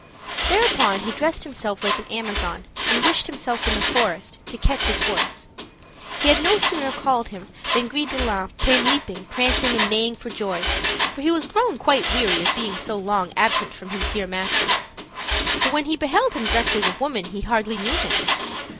Thereupon, he dressed himself like an Amazon, and wished himself in the forest, to catch his horse. He had no sooner called him than Gris de line came leaping, prancing, and neighing for joy, for he was grown quite weary of being so long absent from his dear master; but when he beheld him dressed as a woman he hardly knew him.